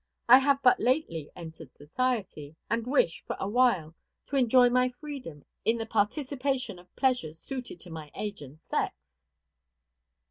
I have but lately entered society, and wish, for a while, to enjoy my freedom in the participation of pleasures suited to my age and sex."